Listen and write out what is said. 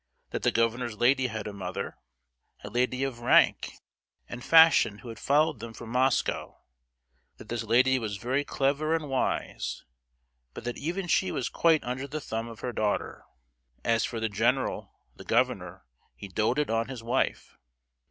That the governor's lady had a mother, a lady of rank and fashion, who had followed them from Moscow; that this lady was very clever and wise, but that even she was quite under the thumb of her daughter; as for the general (the governor), he doted on his wife.